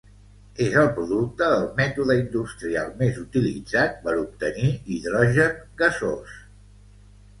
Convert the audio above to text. És el producte del mètode industrial més utilitzat per obtenir hidrogen gasós.